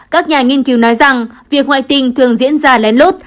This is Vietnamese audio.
các nhà nghiên cứu nói rằng việc hoại tình thường diễn ra lén lút